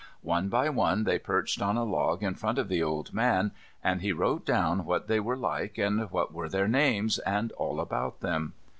One by one they perched on a log in front of the old man, and he wrote down what they were like, and what were their names, and all about them.